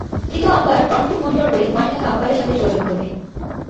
তৃতীয় umpire front foot monitor করে, মাঠে থাকা আম্পায়ারের সাথে যোগাযোগ করবে।